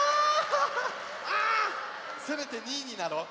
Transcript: せめて２いになろう。